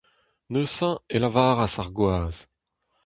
Neuze e lavaras ar gwaz :